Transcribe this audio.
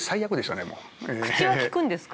口はきくんですか？